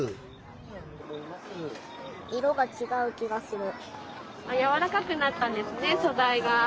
色が違う気がする。